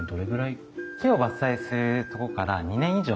木を伐採するとこから２年以上。